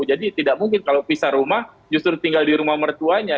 jadi tidak mungkin kalau pisah rumah justru tinggal di rumah mertuanya